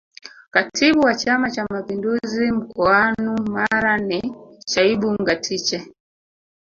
Katibu wa Chama cha Mapinduzi mkoanu Mara ni Shaibu Ngatiche